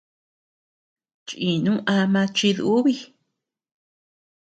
Chínu ama chidúbi.